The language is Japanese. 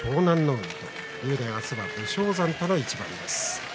海と竜電は明日は武将山との一番です。